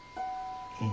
うん。